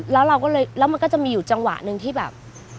แล้วเราก็เลยแล้วมันก็จะมีอยู่จังหวะหนึ่งที่แบบ